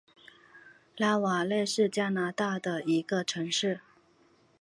拉瓦勒是加拿大的一个城市。